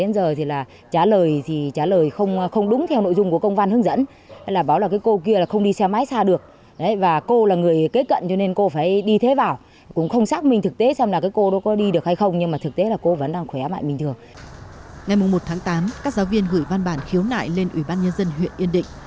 ngày một tháng tám các giáo viên gửi văn bản khiếu nại lên ủy ban nhân dân huyện yên định